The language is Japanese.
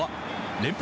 連敗